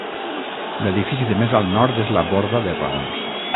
L'edifici de més al nord és la borda de Raons.